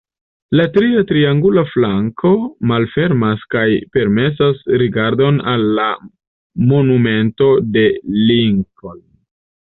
La tria triangula flanko malfermas kaj permesas rigardon al la Monumento de Lincoln.